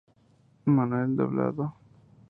Manuel Doblado.